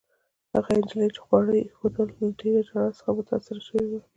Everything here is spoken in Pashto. هغې نجلۍ، چي خواړه يې ایښوول، له دې ژړا څخه متاثره شوې وه.